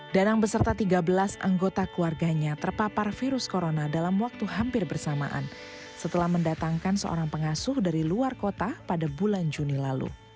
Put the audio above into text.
danang beserta tiga belas anggota keluarganya terpapar virus corona dalam waktu hampir bersamaan setelah mendatangkan seorang pengasuh dari luar kota pada bulan juni lalu